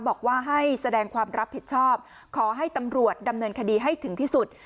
บอกว่าให้แสดงความรับผิดชอบขอให้ตำรวจดำเนินคดีให้ถึงที่สุด